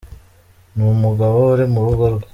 Ni umugabo uri mu rugo rwe.